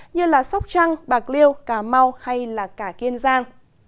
như sóc trăng bạc liêu cà mau hay là cả kiên giang